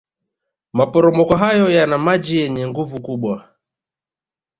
maporomoko hayo yaana maji yenye nguvu kubwa